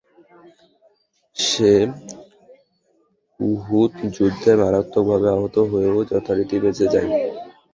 সে Uhud যুদ্ধে মারাত্মকভাবে আহত হয়েও যথারীতি বেঁচে যায়।